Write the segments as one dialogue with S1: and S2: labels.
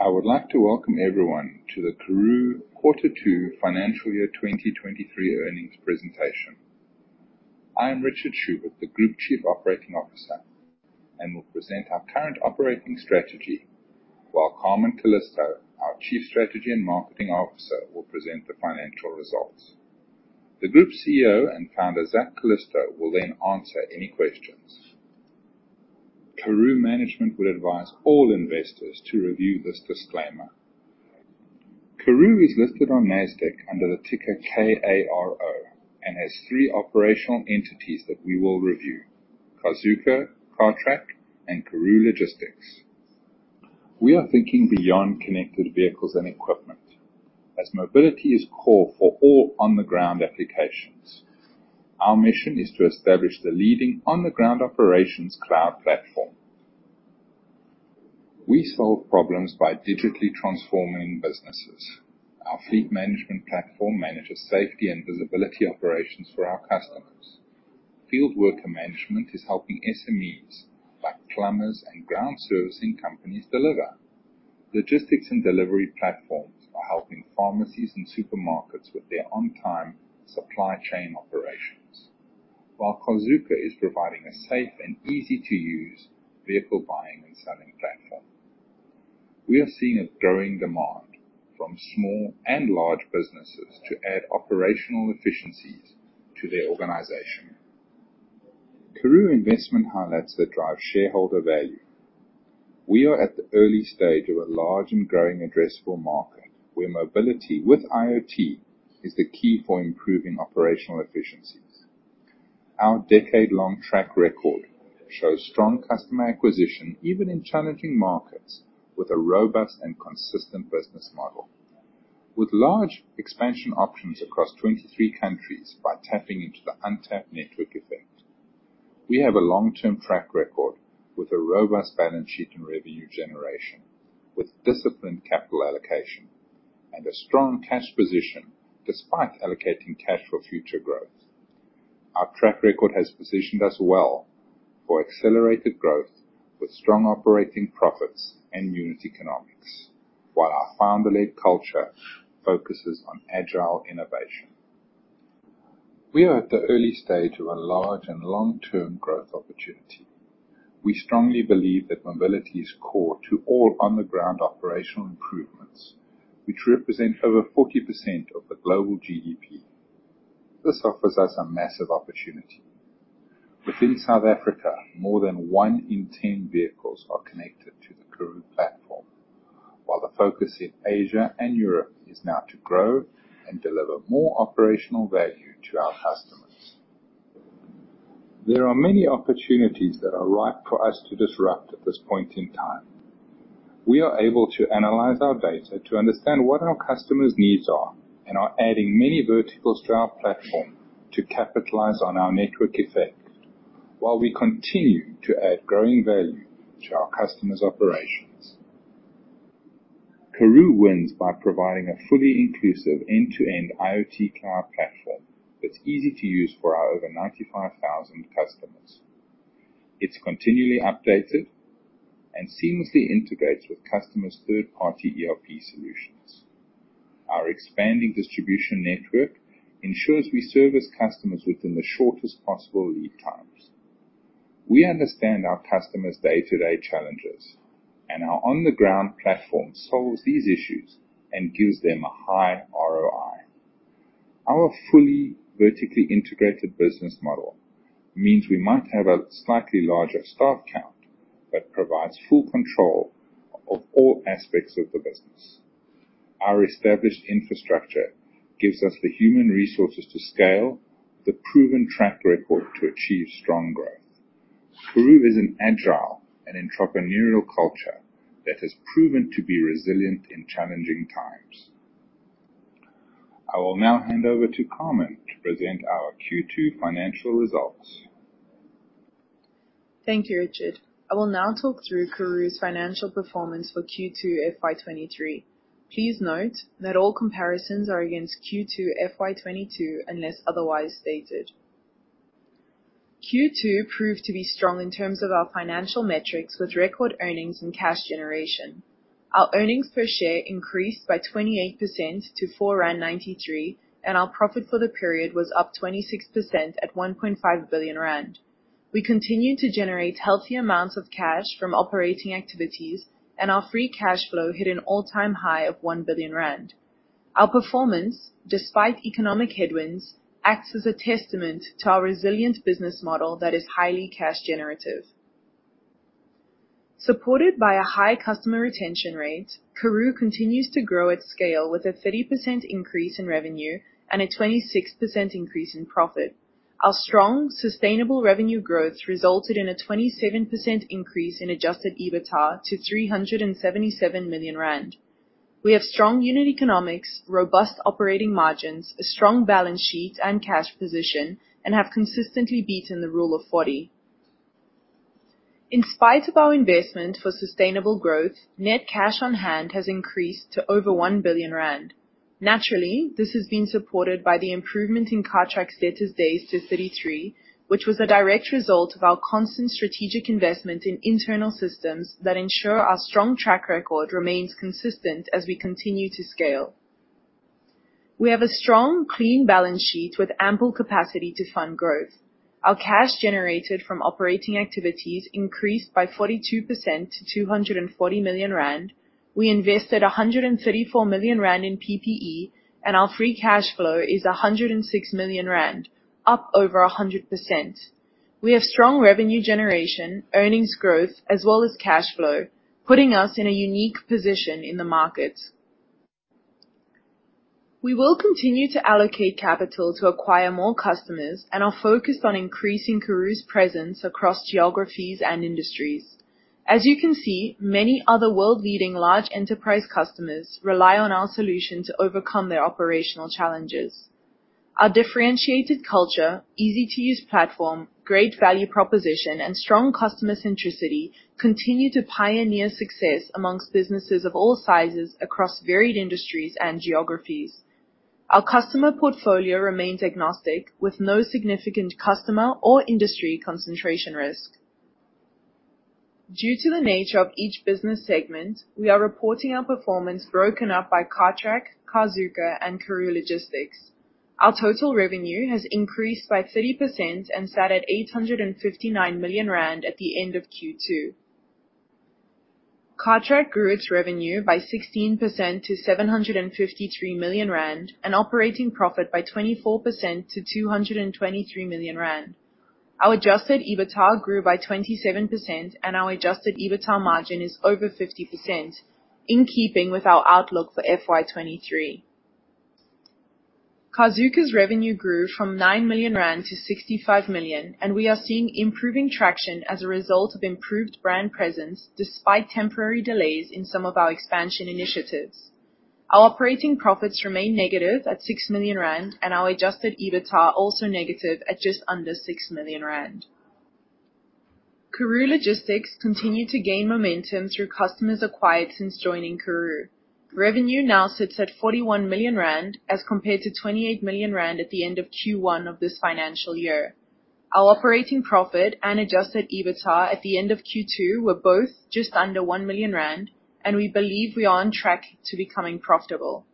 S1: I would like to welcome everyone to the Karooooo quarter two financial year 2023 earnings presentation. I am Richard Schubert, the Group Chief Operating Officer, and will present our current operating strategy, while Carmen Calisto, our Chief Strategy and Marketing Officer, will present the financial results. The Group CEO and founder, Zak Calisto, will then answer any questions. Karooooo management would advise all investors to review this disclaimer. Karooooo is listed on Nasdaq under the ticker KARO, and has three operational entities that we will review, Carzuka, Cartrack, and Karooooo Logistics. We are thinking beyond connected vehicles and equipment, as mobility is core for all on-the-ground applications. Our mission is to establish the leading on-the-ground operations cloud platform. We solve problems by digitally transforming businesses. Our fleet management platform manages safety and visibility operations for our customers. Field worker management is helping SMEs, like plumbers and ground servicing companies deliver. Logistics and delivery platforms are helping pharmacies and supermarkets with their on-time supply chain operations. While Carzuka is providing a safe and easy-to-use vehicle buying and selling platform. We are seeing a growing demand from small and large businesses to add operational efficiencies to their organization. Karooooo investment highlights that drive shareholder value. We are at the early stage of a large and growing addressable market, where mobility with IoT is the key for improving operational efficiencies. Our decade-long track record shows strong customer acquisition, even in challenging markets, with a robust and consistent business model. With large expansion options across 23 countries by tapping into the untapped network effect, we have a long-term track record with a robust balance sheet and revenue generation, with disciplined capital allocation and a strong cash position despite allocating cash for future growth. Our track record has positioned us well for accelerated growth with strong operating profits and unit economics, while our founder-led culture focuses on agile innovation. We are at the early stage of a large and long-term growth opportunity. We strongly believe that mobility is core to all on-the-ground operational improvements, which represent over 40% of the global GDP. This offers us a massive opportunity. Within South Africa, more than one in ten vehicles are connected to the Karooooo platform. While the focus in Asia and Europe is now to grow and deliver more operational value to our customers. There are many opportunities that are ripe for us to disrupt at this point in time. We are able to analyze our data to understand what our customers' needs are and are adding many verticals to our platform to capitalize on our network effect while we continue to add growing value to our customers' operations. Karooooo wins by providing a fully inclusive end-to-end IoT cloud platform that's easy to use for our over 95,000 customers. It's continually updated and seamlessly integrates with customers' third-party ERP solutions. Our expanding distribution network ensures we service customers within the shortest possible lead times. We understand our customers' day-to-day challenges, and our on-the-ground platform solves these issues and gives them a high ROI. Our fully vertically integrated business model means we might have a slightly larger staff count, but provides full control of all aspects of the business. Our established infrastructure gives us the human resources to scale, the proven track record to achieve strong growth. Karooooo is an agile and entrepreneurial culture that has proven to be resilient in challenging times. I will now hand over to Carmen to present our Q2 financial results.
S2: Thank you, Richard. I will now talk through Karooooo's financial performance for Q2 FY2023. Please note that all comparisons are against Q2 FY2022 unless otherwise stated. Q2 proved to be strong in terms of our financial metrics with record earnings and cash generation. Our earnings per share increased by 28% to 4.93 rand, and our profit for the period was up 26% at 1.5 billion rand. We continued to generate healthy amounts of cash from operating activities, and our free cash flow hit an all-time high of 1 billion rand. Our performance, despite economic headwinds, acts as a testament to our resilient business model that is highly cash generative. Supported by a high customer retention rate, Karooooo continues to grow at scale with a 30% increase in revenue and a 26% increase in profit. Our strong, sustainable revenue growth resulted in a 27% increase in Adjusted EBITDA to 377 million rand. We have strong unit economics, robust operating margins, a strong balance sheet, and cash position, and have consistently beaten the Rule of 40. In spite of our investment for sustainable growth, net cash on hand has increased to over 1 billion rand. This has been supported by the improvement in Cartrack's debtor days to 33, which was a direct result of our constant strategic investment in internal systems that ensure our strong track record remains consistent as we continue to scale. We have a strong, clean balance sheet with ample capacity to fund growth. Our cash generated from operating activities increased by 42% to 240 million rand. We invested 134 million rand in PPE, and our free cash flow is 106 million rand, up over 100%. We have strong revenue generation, earnings growth, as well as cash flow, putting us in a unique position in the market. We will continue to allocate capital to acquire more customers and are focused on increasing Karooooo's presence across geographies and industries. As you can see, many other world-leading large enterprise customers rely on our solution to overcome their operational challenges. Our differentiated culture, easy-to-use platform, great value proposition, and strong customer centricity continue to pioneer success among businesses of all sizes across varied industries and geographies. Our customer portfolio remains agnostic, with no significant customer or industry concentration risk. Due to the nature of each business segment, we are reporting our performance broken up by Cartrack, Carzuka, and Karooooo Logistics. Our total revenue has increased by 30% and sat at 859 million rand at the end of Q2. Cartrack grew its revenue by 16% to 753 million rand, and operating profit by 24% to 223 million rand. Our Adjusted EBITDA grew by 27%, and our Adjusted EBITDA margin is over 50%, in keeping with our outlook for FY2023. Carzuka's revenue grew from 9 million-65 million rand, and we are seeing improving traction as a result of improved brand presence despite temporary delays in some of our expansion initiatives. Our operating profits remain negative at 6 million rand, and our Adjusted EBITDA also negative at just under 6 million rand. Karooooo Logistics continue to gain momentum through customers acquired since joining Karooooo. Revenue now sits at 41 million rand as compared to 28 million rand at the end of Q1 of this financial year. Our operating profit and Adjusted EBITDA at the end of Q2 were both just under 1 million rand, and we believe we are on track to becoming profitable.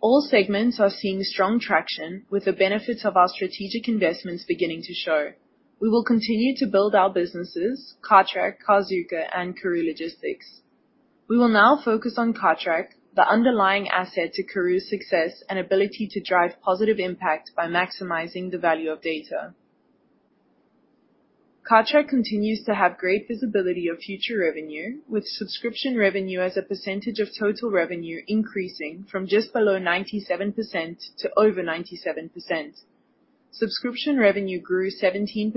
S2: All segments are seeing strong traction with the benefits of our strategic investments beginning to show. We will continue to build our businesses, Cartrack, Carzuka, and Karooooo Logistics. We will now focus on Cartrack, the underlying asset to Karooooo's success and ability to drive positive impact by maximizing the value of data. Cartrack continues to have great visibility of future revenue, with subscription revenue as a percentage of total revenue increasing from just below 97% to over 97%. Subscription revenue grew 17%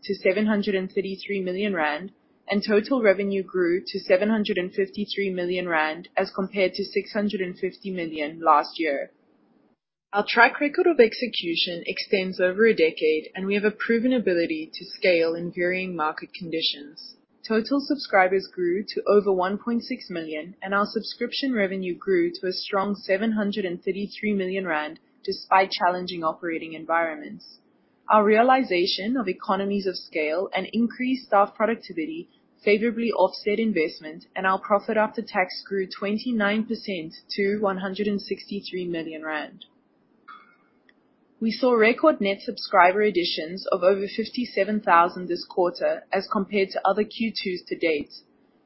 S2: to 733 million rand, and total revenue grew to 753 million rand as compared to 650 million last year. Our track record of execution extends over a decade, and we have a proven ability to scale in varying market conditions. Total subscribers grew to over 1.6 million, and our subscription revenue grew to a strong 733 million rand despite challenging operating environments. Our realization of economies of scale and increased staff productivity favorably offset investment, and our profit after tax grew 29% to 163 million rand. We saw record net subscriber additions of over 57,000 this quarter as compared to other Q2s to date.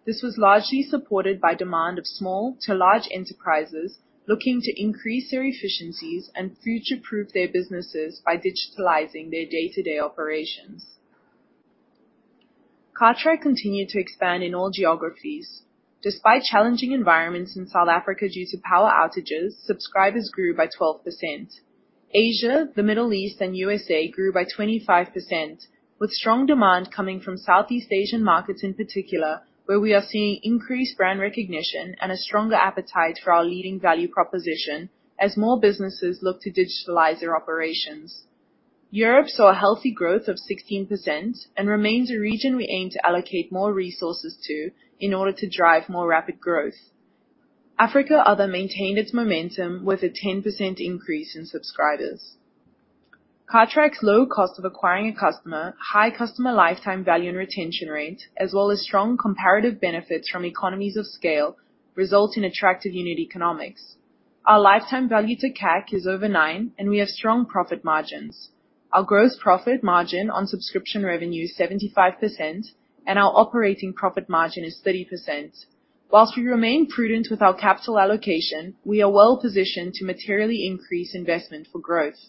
S2: This was largely supported by demand of small to large enterprises looking to increase their efficiencies and future-proof their businesses by digitalizing their day-to-day operations. Cartrack continued to expand in all geographies. Despite challenging environments in South Africa due to power outages, subscribers grew by 12%. Asia, the Middle East, and U.S.A. grew by 25%, with strong demand coming from Southeast Asian markets in particular, where we are seeing increased brand recognition and a stronger appetite for our leading value proposition as more businesses look to digitalize their operations. Europe saw a healthy growth of 16% and remains a region we aim to allocate more resources to in order to drive more rapid growth. Africa Other maintained its momentum with a 10% increase in subscribers. Cartrack's low cost of acquiring a customer, high customer lifetime value and retention rate, as well as strong comparative benefits from economies of scale result in attractive unit economics. Our lifetime value to CAC is over nine, and we have strong profit margins. Our gross profit margin on subscription revenue is 75%, and our operating profit margin is 30%. While we remain prudent with our capital allocation, we are well positioned to materially increase investment for growth.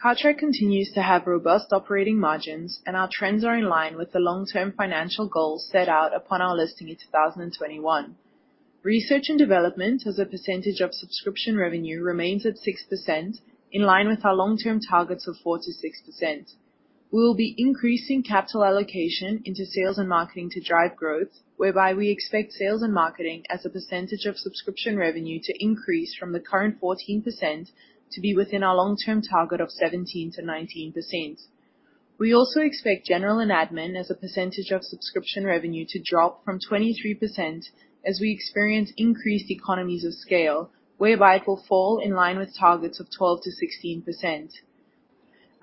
S2: Cartrack continues to have robust operating margins, and our trends are in line with the long-term financial goals set out upon our listing in 2021. Research and development, as a percentage of subscription revenue, remains at 6%, in line with our long-term targets of 4%-6%. We will be increasing capital allocation into sales and marketing to drive growth, whereby we expect sales and marketing as a percentage of subscription revenue to increase from the current 14% to be within our long-term target of 17%-19%. We also expect general and admin as a percentage of subscription revenue to drop from 23% as we experience increased economies of scale, whereby it will fall in line with targets of 12%-16%.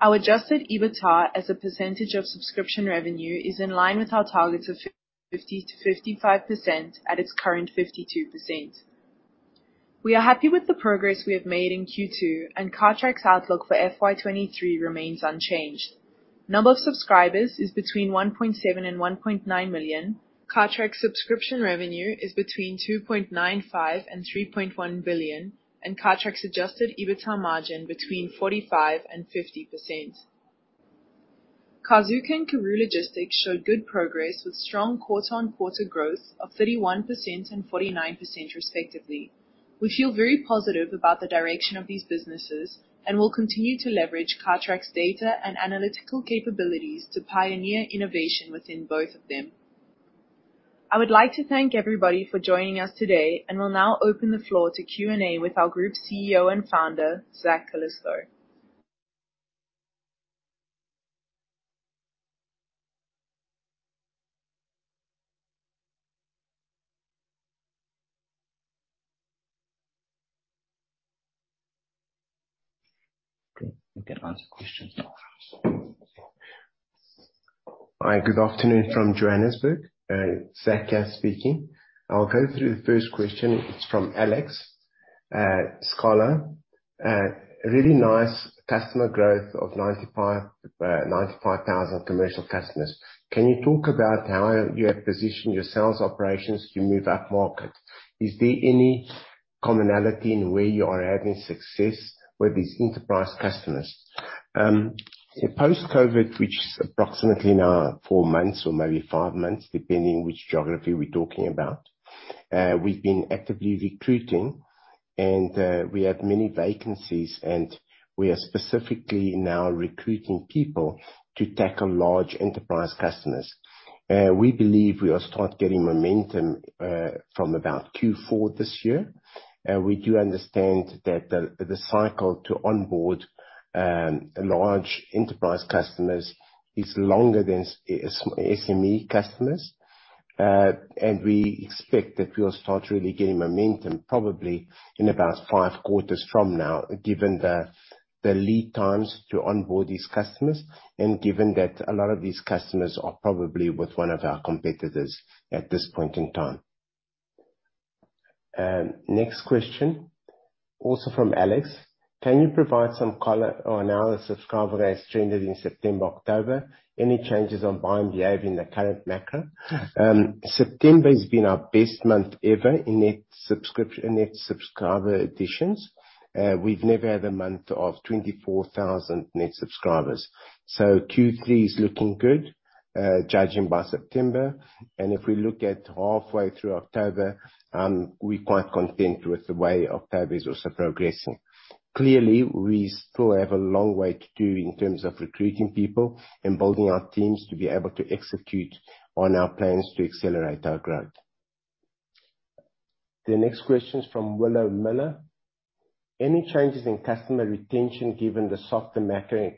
S2: Our Adjusted EBITDA as a percentage of subscription revenue is in line with our targets of 50%-55% at its current 52%. We are happy with the progress we have made in Q2, and Cartrack's outlook for FY2023 remains unchanged. Number of subscribers is between 1.7 and 1.9 million. Cartrack subscription revenue is between 2.95 billion and 3.1 billion, and Cartrack's Adjusted EBITDA margin between 45% and 50%. Carzuka and Karooooo Logistics showed good progress with strong quarter-on-quarter growth of 31% and 49% respectively. We feel very positive about the direction of these businesses and will continue to leverage Cartrack's data and analytical capabilities to pioneer innovation within both of them. I would like to thank everybody for joining us today and will now open the floor to Q&A with our Group CEO and founder, Zak Calisto.
S3: Okay, you can ask questions now. Hi, good afternoon from Johannesburg. Zak here speaking. I'll go through the first question. It's from Alexander Sklar. A really nice customer growth of 95,000 commercial customers. Can you talk about how you have positioned your sales operations as you move up-market? Is there any commonality in where you are having success with these enterprise customers? Post-COVID, which is approximately now four months or maybe five months, depending on which geography we're talking about, we've been actively recruiting and we have many vacancies, and we are specifically now recruiting people to tackle large enterprise customers. We believe we will start getting momentum from about Q4 this year. We do understand that the cycle to onboard large enterprise customers is longer than SME customers. We expect that we'll start really getting momentum probably in about five quarters from now, given the lead times to onboard these customers and given that a lot of these customers are probably with one of our competitors at this point in time. Next question, also from Alex: Can you provide some color on how the subscribers have trended in September/October? Any changes on buying behavior in the current macro? September has been our best month ever in net subscriber additions. We've never had a month of 24,000 net subscribers. Q3 is looking good, judging by September. If we look at halfway through October, we're quite content with the way October is also progressing. Clearly, we still have a long way to do in terms of recruiting people and building our teams to be able to execute on our plans to accelerate our growth. The next question is from Dylan Becker: Any changes in customer retention given the softer macro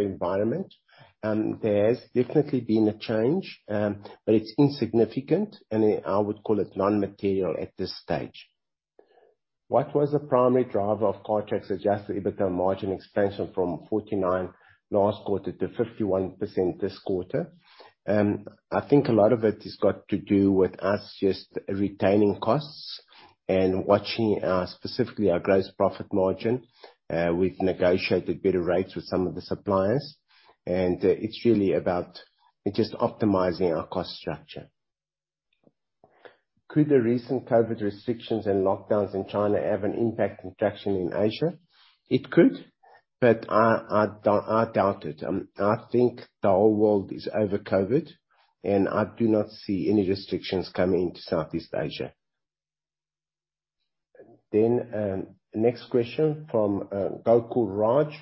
S3: environment? There has definitely been a change, but it's insignificant, and I would call it non-material at this stage. What was the primary driver of Cartrack's Adjusted EBITDA margin expansion from 49% last quarter to 51% this quarter? I think a lot of it has got to do with us just retaining costs and watching specifically our gross profit margin. We've negotiated better rates with some of the suppliers, and it's really about just optimizing our cost structure. Could the recent COVID restrictions and lockdowns in China have an impact on traction in Asia? It could, but I doubt it. I think the whole world is over COVID, and I do not see any restrictions coming into Southeast Asia. Next question from Gokul Raj: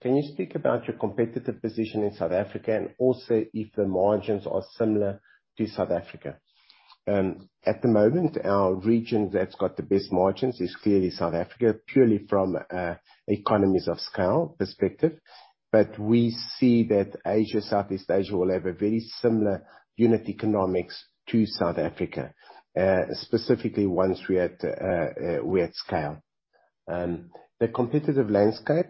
S3: Can you speak about your competitive position in South Africa and also if the margins are similar to South Africa? At the moment, our region that's got the best margins is clearly South Africa, purely from economies of scale perspective. But we see that Asia, Southeast Asia, will have a very similar unit economics to South Africa, specifically once we hit scale. The competitive landscape,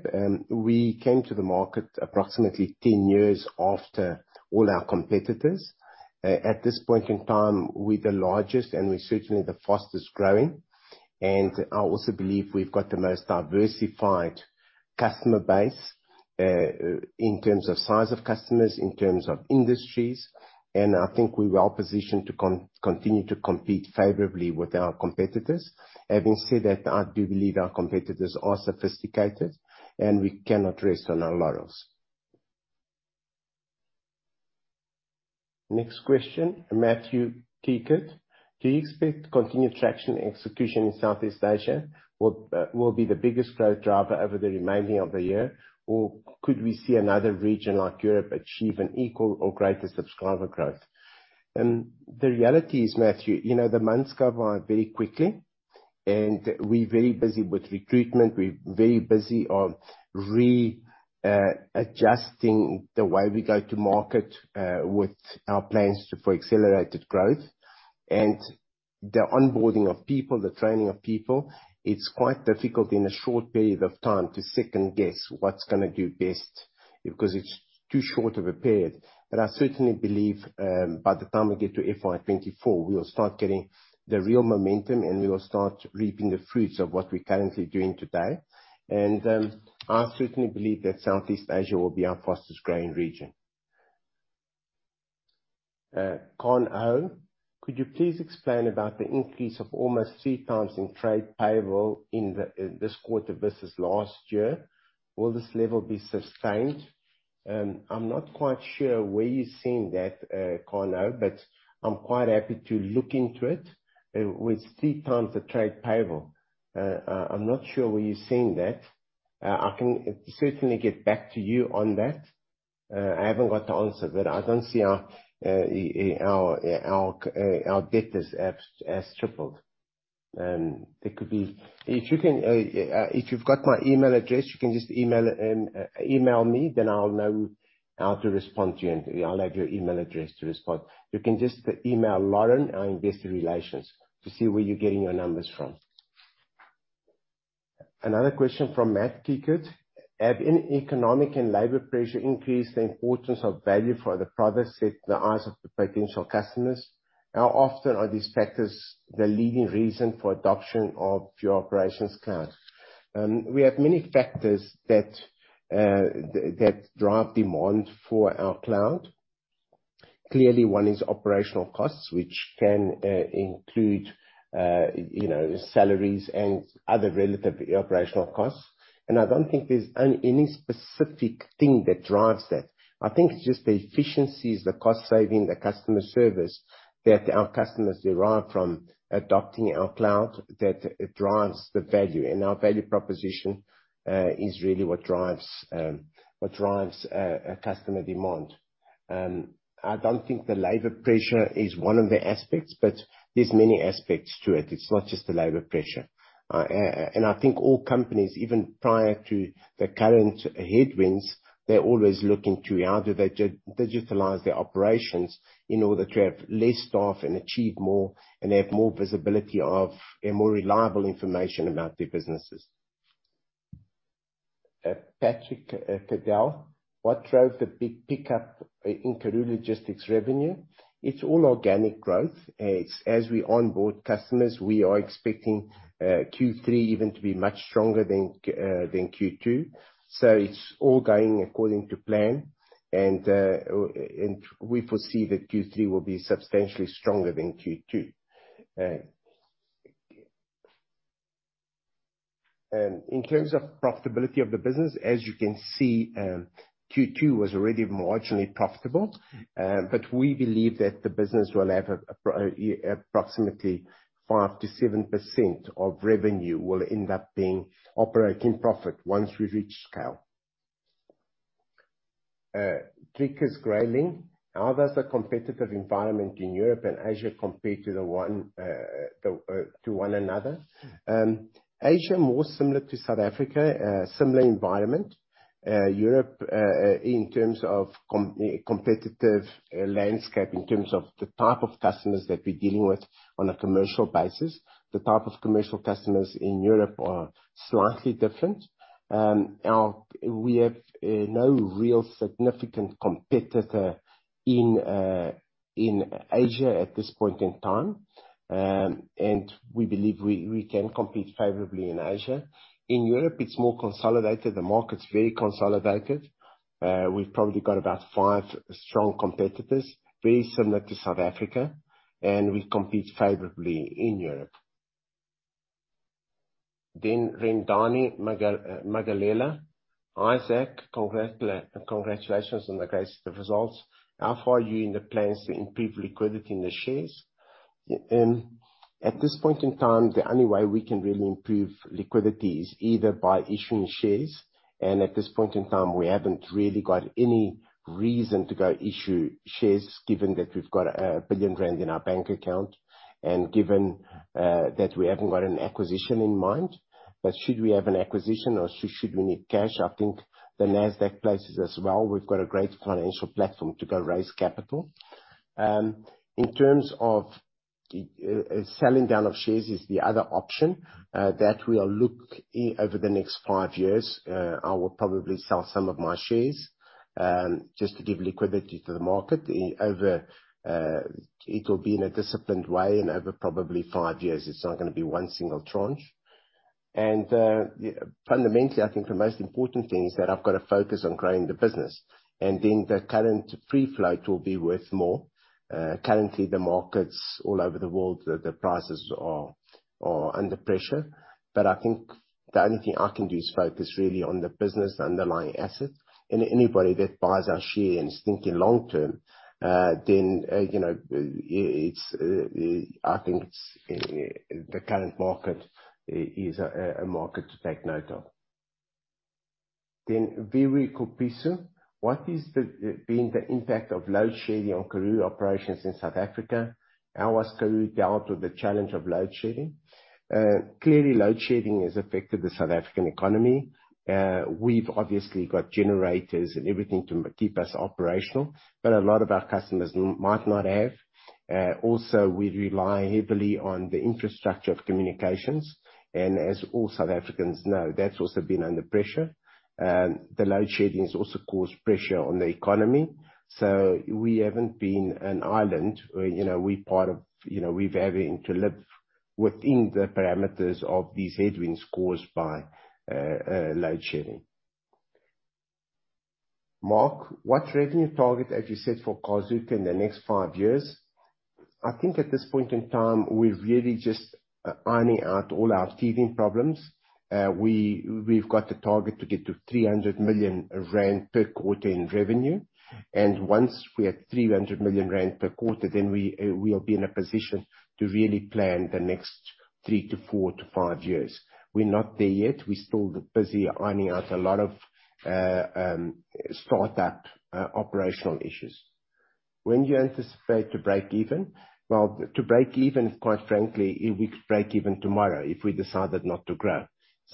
S3: we came to the market approximately 10 years after all our competitors. At this point in time, we're the largest, and we're certainly the fastest-growing. I also believe we've got the most diversified customer base in terms of size of customers, in terms of industries, and I think we're well positioned to continue to compete favorably with our competitors. Having said that, I do believe our competitors are sophisticated, and we cannot rest on our laurels. Next question, Matthew Kikkert: Do you expect continued traction and execution in Southeast Asia will be the biggest growth driver over the remainder of the year, or could we see another region like Europe achieve an equal or greater subscriber growth? The reality is, Matthew, you know, the months go by very quickly. We're very busy with recruitment. We're very busy adjusting the way we go to market with our plans for accelerated growth. The onboarding of people, the training of people, it's quite difficult in a short period of time to second-guess what's gonna do best because it's too short of a period. I certainly believe by the time we get to FY2024, we will start getting the real momentum, and we will start reaping the fruits of what we're currently doing today. I certainly believe that Southeast Asia will be our fastest growing region. Conor O'Dea: Could you please explain about the increase of almost three times in trade payable in this quarter versus last year? Will this level be sustained? I'm not quite sure where you're seeing that, Conor O'Dea, but I'm quite happy to look into it. With three times the trade payable, I'm not sure where you're seeing that. I can certainly get back to you on that. I haven't got the answer, but I don't see our debt has tripled. There could be. If you've got my email address, you can just email me, then I'll know how to respond to you, and I'll add your email address to respond. You can just email Lauren, our investor relations, to see where you're getting your numbers from. Another question from Matthew Kikkert: Have any economic and labor pressure increased the importance of value for the product set in the eyes of the potential customers? How often are these factors the leading reason for adoption of your operations cloud? We have many factors that drive demand for our cloud. Clearly, one is operational costs, which can include, you know, salaries and other relative operational costs. I don't think there's any specific thing that drives that. I think it's just the efficiencies, the cost saving, the customer service that our customers derive from adopting our cloud that drives the value. Our value proposition is really what drives customer demand. I don't think the labor pressure is one of the aspects, but there's many aspects to it. It's not just the labor pressure. I think all companies, even prior to the current headwinds, they're always looking to how do they digitalize their operations in order to have less staff and achieve more, and have more visibility of a more reliable information about their businesses. Patrick Caddell: What drove the big pickup in Karooooo Logistics revenue? It's all organic growth. It's as we onboard customers, we are expecting Q3 even to be much stronger than Q2. It's all going according to plan. We foresee that Q3 will be substantially stronger than Q2. In terms of profitability of the business, as you can see, Q2 was already marginally profitable, but we believe that the business will have approximately 5%-7% of revenue will end up being operating profit once we've reached scale. Chris Greyling: How does the competitive environment in Europe and Asia compare to one another? Asia, more similar to South Africa, a similar environment. Europe, in terms of competitive landscape, in terms of the type of customers that we're dealing with on a commercial basis, the type of commercial customers in Europe are slightly different. We have no real significant competitor in Asia at this point in time, and we believe we can compete favorably in Asia. In Europe, it's more consolidated. The market's very consolidated. We've probably got about five strong competitors, very similar to South Africa, and we compete favorably in Europe. Rendani Magalela: Zak Calisto, congratulations on the great results. How far are you in the plans to improve liquidity in the shares? At this point in time, the only way we can really improve liquidity is either by issuing shares, and at this point in time, we haven't really got any reason to go issue shares, given that we've got 1 billion rand in our bank account and given that we haven't got an acquisition in mind. But should we have an acquisition or should we need cash, I think the Nasdaq places us well. We've got a great financial platform to go raise capital. In terms of selling down of shares is the other option that we'll look over the next five years. I will probably sell some of my shares just to give liquidity to the market over. It'll be in a disciplined way and over probably five years. It's not gonna be one single tranche. Fundamentally, I think the most important thing is that I've got to focus on growing the business, and then the current free float will be worth more. Currently, the markets all over the world, the prices are under pressure. I think the only thing I can do is focus really on the business underlying assets. Anybody that buys our share and is thinking long term, you know, I think the current market is a market to take note of. Vuyani Kopitso, what has been the impact of load shedding on Karooooo operations in South Africa? How has Karooooo dealt with the challenge of load shedding? Clearly load shedding has affected the South African economy. We've obviously got generators and everything to keep us operational, but a lot of our customers might not have. Also, we rely heavily on the infrastructure of communications, and as all South Africans know, that's also been under pressure. The load shedding has also caused pressure on the economy, so we haven't been an island. You know, we're part of you know, we're having to live within the parameters of these headwinds caused by load shedding. Mark, what revenue target have you set for Carzuka in the next five years? I think at this point in time, we're really just ironing out all our teething problems. We've got the target to get to 300 million rand per quarter in revenue, and once we're at 300 million rand per quarter, we'll be in a position to really plan the next three to four to five years. We're not there yet. We're still busy ironing out a lot of startup operational issues. When do you anticipate to break even? Well, to break even, quite frankly, we could break even tomorrow if we decided not to grow.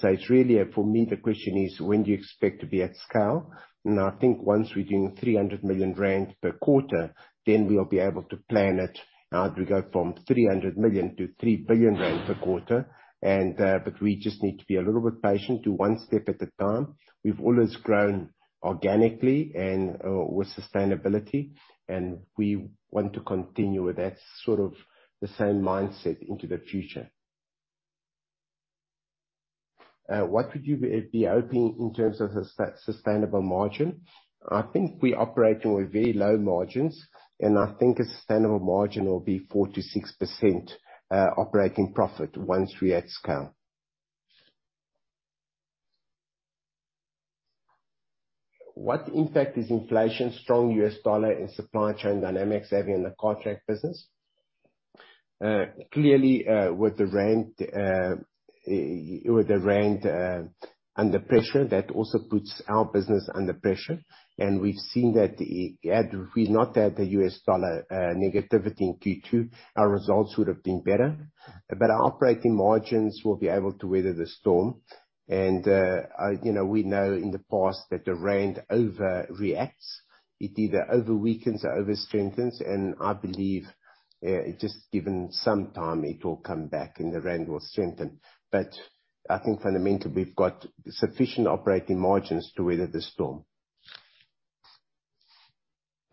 S3: It's really, for me, the question is when do you expect to be at scale? I think once we're doing 300 million rand per quarter, we'll be able to plan it. How do we go from 300 million-3 billion rand per quarter? We just need to be a little bit patient, do one step at a time. We've always grown organically and with sustainability, and we want to continue with that sort of the same mindset into the future. What would you be hoping in terms of sustainable margin? I think we operate with very low margins, and I think a sustainable margin will be 4%-6% operating profit once we're at scale. What impact is inflation, strong U.S. Dollar, and supply chain dynamics having on the Cartrack business? Clearly, with the rand under pressure, that also puts our business under pressure, and we've seen that had we not had the U.S. dollar negativity in Q2, our results would have been better. Our operating margins will be able to weather the storm. You know, we know in the past that the rand overreacts. It either over-weakens or over-strengthens, and I believe, just given some time, it will come back, and the rand will strengthen. But I think fundamentally, we've got sufficient operating margins to weather the storm.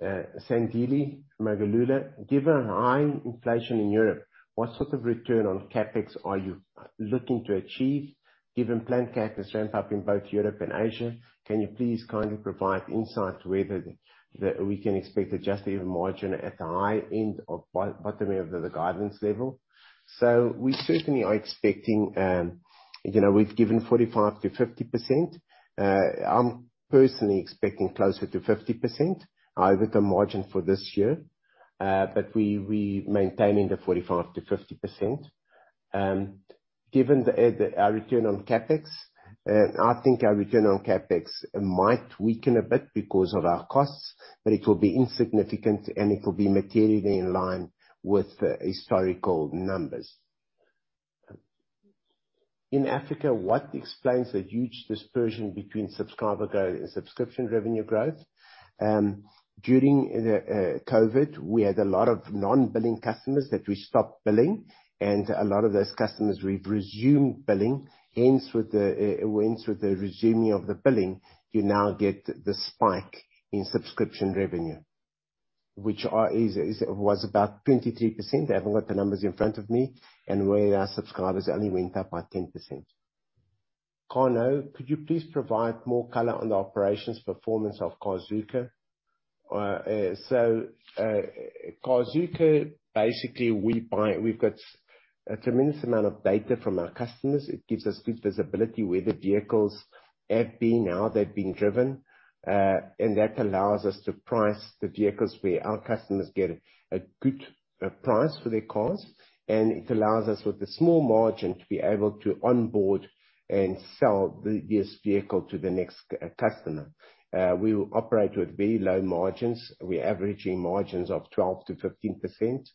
S3: Sandile Magagula, given high inflation in Europe, what sort of return on CapEx are you looking to achieve? Given planned CapEx ramp up in both Europe and Asia, can you please kindly provide insight whether we can expect Adjusted EBIT margin at the high end or bottom of the guidance level? We certainly are expecting, you know, we've given 45%-50%. I'm personally expecting closer to 50% EBITDA margin for this year, but we maintaining the 45%-50%. Given our return on CapEx, I think our return on CapEx might weaken a bit because of our costs, but it will be insignificant, and it will be materially in line with the historical numbers. In Africa, what explains the huge dispersion between subscriber growth and subscription revenue growth? During the COVID, we had a lot of non-billing customers that we stopped billing, and a lot of those customers we've resumed billing. Hence, with the resuming of the billing, you now get the spike in subscription revenue, which was about 23%. I haven't got the numbers in front of me. Where our subscribers only went up by 10%. Carmen Calisto, could you please provide more color on the operations performance of Carzuka? Carzuka, basically, we buy. We've got a tremendous amount of data from our customers. It gives us good visibility where the vehicles have been, how they've been driven, and that allows us to price the vehicles where our customers get a good price for their cars, and it allows us with a small margin to be able to onboard and sell the used vehicle to the next customer. We operate with very low margins. We're averaging margins of 12%-15%,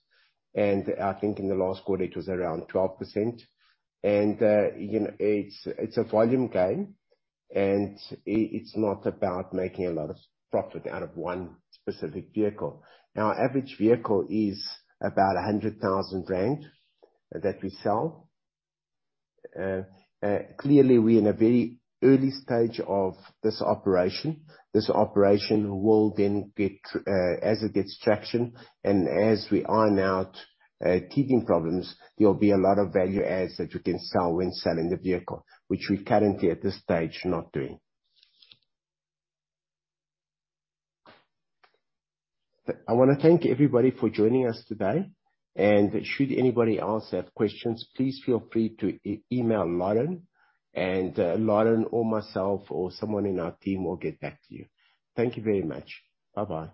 S3: and I think in the last quarter it was around 12%. You know, it's a volume game, and it's not about making a lot of profit out of one specific vehicle. Our average vehicle is about 100,000 rand that we sell. Clearly we're in a very early stage of this operation. This operation will then get, as it gets traction and as we iron out, teething problems, there'll be a lot of value adds that we can sell when selling the vehicle, which we're currently, at this stage, not doing. I wanna thank everybody for joining us today, and should anybody else have questions, please feel free to email Lauren, and, Lauren or myself or someone in our team will get back to you. Thank you very much. Bye-bye.